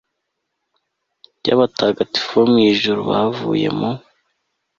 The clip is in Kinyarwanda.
y'abatagatifu bo mu ijuru, bavuye mu